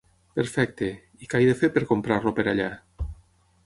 Perfecte, i què he de fer per comprar-lo per allà?